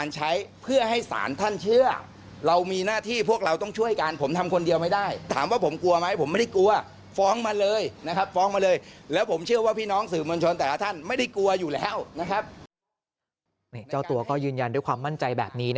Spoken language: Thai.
เจ้าตัวก็ยืนยันด้วยความมั่นใจแบบนี้